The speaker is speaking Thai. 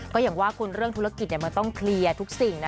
ก็อย่างว่าคุณเรื่องธุรกิจมันต้องเคลียร์ทุกสิ่งนะ